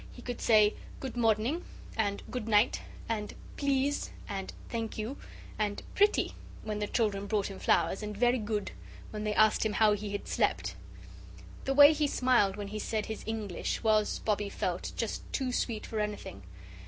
He could say "Good morning," and "Good night," and "Please," and "Thank you," and "Pretty," when the children brought him flowers, and "Ver' good," when they asked him how he had slept. The way he smiled when he "said his English," was, Bobbie felt, "just too sweet for anything."